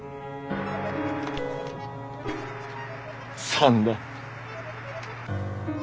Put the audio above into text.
「３」だ。